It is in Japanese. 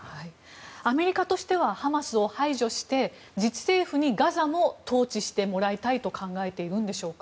アメリカとしてはハマスを排除して自治政府にガザも統治してもらいたいと考えているんでしょうか。